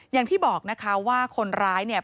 อย่างที่บอกนะคะว่าคนร้ายเนี่ย